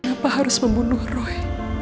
kenapa harus membunuh roy